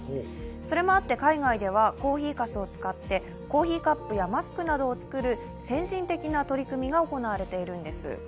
それもあって海外では、コーヒーかすを使ってコーヒーカップやマスクなどを作る先進的な取り組みが行われているんです。